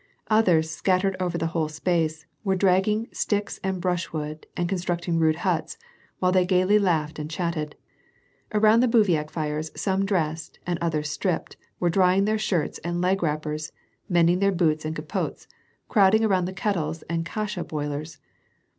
Others, scattered over tlie whole space, were dragging sticks and brushwood and con stnicting rude huts, while they gayly laughed and chatted ; around the bivouac fires some dressed and othere stripped, were drying their shirts and leg wrappers, mending their boots and capotes, crowding around the kettles and kasha boilers.